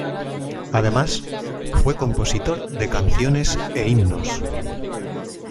Además fue compositor de canciones e himnos.